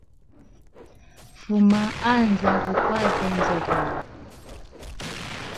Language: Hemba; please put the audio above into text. Fuma haza gukwate nzoogolo.